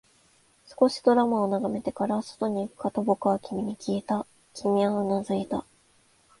少しドラマを眺めてから、外に行くかと僕は君にきいた、君はうなずいた